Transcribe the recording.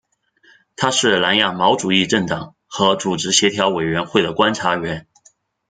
它是南亚毛主义政党和组织协调委员会的观察员。